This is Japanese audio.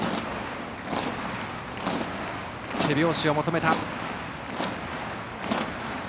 手拍子を求めた。